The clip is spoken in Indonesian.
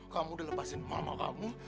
kamu udah lepasin mama kamu